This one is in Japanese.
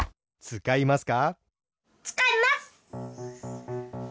つかいます。